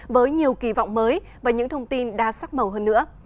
với nhiều kỳ vọng mới và những thông tin đa sắc màu hơn nữa